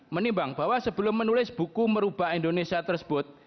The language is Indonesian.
menimbang bahwa sebelum menulis buku merubah indonesia tersebut